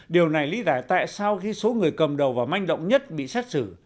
điều này lý giải tại sao khi số người cầm đầu và manh động nhất bị xét xử